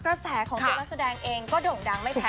กระแสของตัวนักแสดงเองก็โด่งดังไม่แพ้